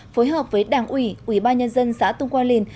phối hợp với đảng ủy ubnd xã tung qua lìn